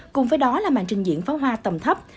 cùng với đó là màn trình diễn pháo hoa tầm thấp